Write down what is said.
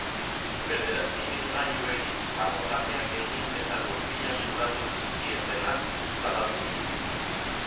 Bederatzi ibilgailuri sabotajeak egin eta gurpilak zulatu dizkietela salatu du.